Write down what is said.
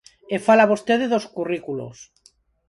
E fala vostede dos currículos.